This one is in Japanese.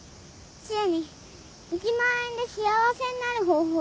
知恵に１万円で幸せになる方法